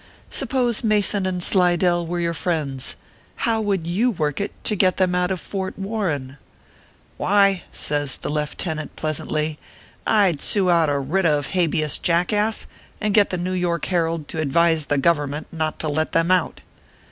Supposing Mason and Slidell were your friends, how would you work it to get them out of Fort Warren ?" "Why," said the leftenant, pleasantly, "I d sue out a writ of Habeas Jackass, and get the New York Herald to advise the Government not to let them out."